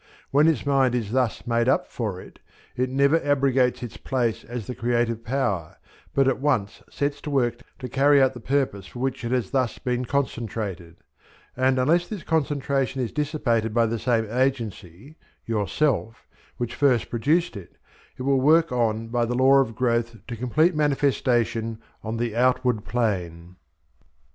When its mind is thus made up for it, it never abrogates its place as the creative power, but at once sets to work co carry out the purpose for which it has thus been concentrated; and unless this concentration is dissipated by the same agency (yourself) which first produced it, it will work on by the law of growth to complete manifestation on the outward plane.